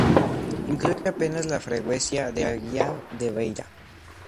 Incluye apenas la freguesia de Aguiar da Beira.